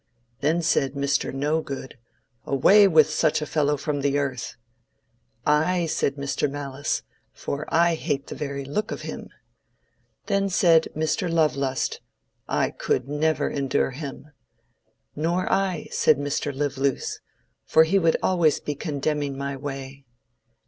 Then said Mr. No good, Away with such a fellow from the earth! Ay, said Mr. Malice, for I hate the very look of him. Then said Mr. Love lust, I could never endure him. Nor I, said Mr. Live loose; for he would be always condemning my way.